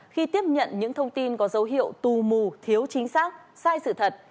khi tiếp nhận những thông tin có dấu hiệu tù mù thiếu chính xác sai sự thật